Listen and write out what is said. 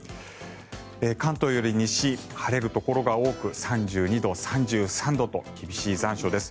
関東より西、晴れるところが多く３２度、３３度と厳しい残暑です。